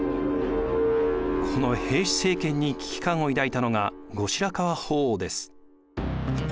この平氏政権に危機感を抱いたのが後白河法皇です。